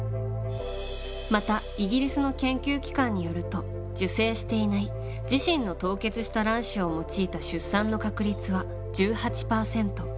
またイギリスの研究機関によると受精していない自身の凍結した卵子を用いた出産の確率は１８％。